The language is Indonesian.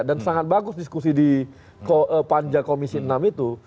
dan sangat bagus diskusi di panjang komisi enam itu